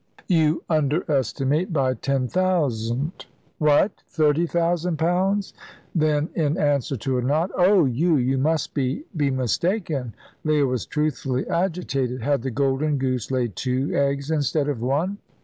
"You underestimate by ten thousand." "What! Thirty thousand pounds?" Then, in answer to a nod, "Oh, you you must be be mistaken." Leah was truthfully agitated. Had the golden goose laid two eggs instead of one?